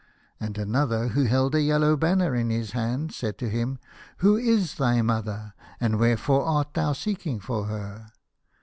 And another, who held a yellow banner in his hand, said to him, " Who is thy mother, and wherefore art thou seeking for her